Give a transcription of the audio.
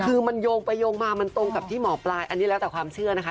คือมันโยงไปโยงมามันตรงกับที่หมอปลายอันนี้แล้วแต่ความเชื่อนะคะ